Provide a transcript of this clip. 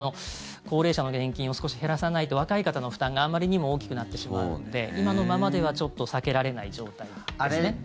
今の方式を続けてると、やっぱり高齢者の年金を少し減らさないと若い方の負担があまりにも大きくなってしまうので今のままではちょっと避けられない状態ですね。